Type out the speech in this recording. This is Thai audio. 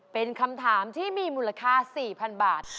เป็นคำถามที่มีมูลค่า๔๐๐๐บาท